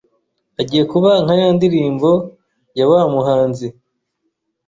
Agiye kuba nka ya ndirimbo yaw a muhanzi